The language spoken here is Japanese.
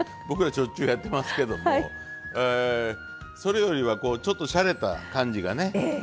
僕らしょっちゅうやってますけどもそれよりはこうちょっとしゃれた感じがね